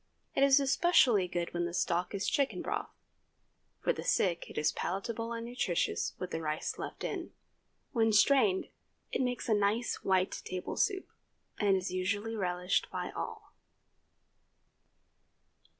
It is especially good when the stock is chicken broth. For the sick it is palatable and nutritious with the rice left in. When strained it makes a nice white table soup, and is usually relished by all.